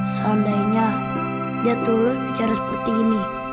seandainya dia turut bicara seperti ini